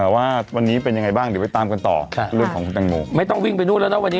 ว่าวันนี้เป็นยังไงบ้างเดี๋ยวไปตามกันต่อเรื่องของคุณแตงโมไม่ต้องวิ่งไปนู่นแล้วนะวันนี้